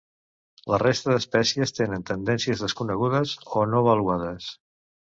La resta d'espècies tenen tendències desconegudes o no avaluades.